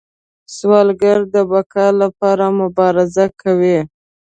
سوالګر د بقا لپاره مبارزه کوي